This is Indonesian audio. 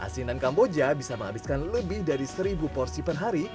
asinan kamboja bisa menghabiskan lebih dari seribu porsi per hari